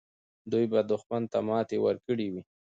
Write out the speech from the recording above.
دوی به دښمن ته ماتې ورکړې وي.